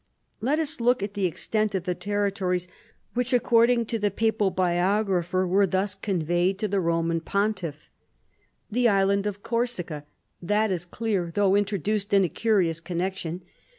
Let us look at the extent of the territories which according to the papal biographer were thus con FALL OF THE LOMBARD MONARCHY. 129 veyed to the lioman Pontiff. The island of Corsica : that is clear though introduced in a curious connec ( tion.